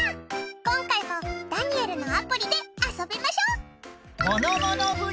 今回もダニエルのアプリで遊びましょう。